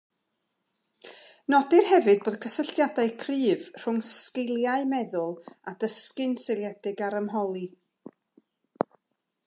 Nodir hefyd bod cysylltiadau cryf rhwng sgiliau meddwl a dysgu'n seiliedig ar ymholi